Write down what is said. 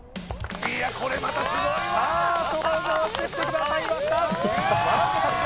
いやこれまたすごいわさあ登場してきてくださいましたワールドカップ